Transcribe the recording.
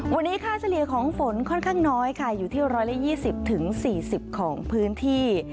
วันนี้ค่าเฉลี่ยของฝนค่อนข้างน้อยค่ะอยู่ที่๑๒๐๔๐ของพื้นที่